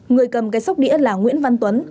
người cầm cái sóc đĩa là nguyễn văn tuấn